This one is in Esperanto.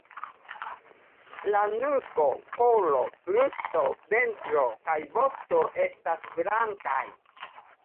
La nuko, kolo, brusto, ventro kaj vosto estas blankaj.